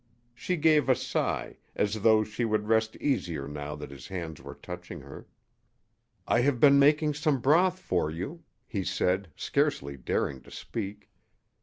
She gave a sigh, as though she would rest easier now that his hands were touching her. "I have been making some broth for you," he said, scarcely daring to speak.